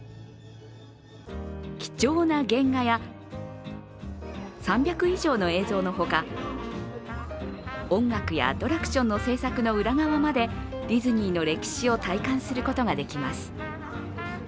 貴重な原画や３００以上の映像のほか音楽やアトラクションの制作の裏側までディズニーの歴史を体感することができます。